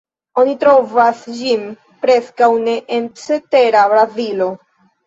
Oni trovas ĝin preskaŭ ne en cetera Brazilo.